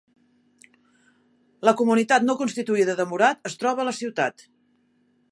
La comunitat no constituïda de Murat es troba a la ciutat.